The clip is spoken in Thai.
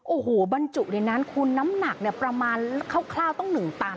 โอ้โหบรรจุในนั้นคุณน้ำหนักประมาณคร่าวต้อง๑ตัน